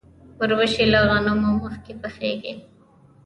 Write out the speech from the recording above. وربشې له غنمو مخکې پخیږي.